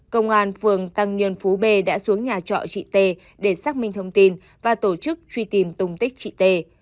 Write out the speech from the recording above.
công an phường tăng nhân phú b đã xuống nhà trọ chị t để xác minh thông tin và tổ chức truy tìm tung tích chị t